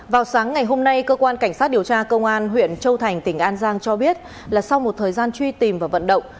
vào sáng ngày hôm nay cơ quan cảnh sát điều tra công an huyện châu thành tỉnh an giang cho biết là sau một thời gian truy tìm và vận động